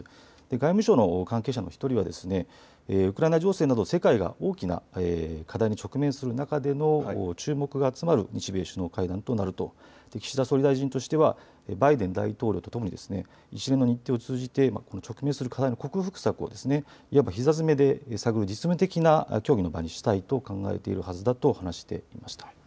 外務省の関係者の１人はウクライナ情勢など世界が大きな課題に直面する中での注目が集まる日米首脳会談となると、岸田総理大臣としてはバイデン大統領とともに一連の日程を通じて直面する課題の克服策をいわばひざ詰めで探る実務的な協議の場にしたいと考えているはずだと話していました。